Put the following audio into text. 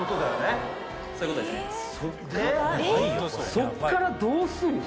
そっからどうすんの？